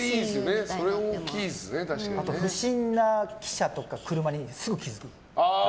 あと、不審な記者とか車にすぐ気付く。